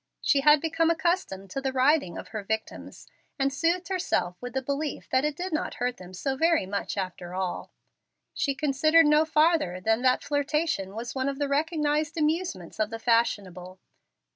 She had become accustomed to the writhing of her victims, and soothed herself with the belief that it did not hurt them so very much after all. She considered no farther than that flirtation was one of the recognized amusements of the fashionable.